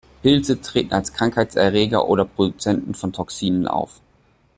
Pilze treten als Krankheitserreger oder Produzenten von Toxinen auf.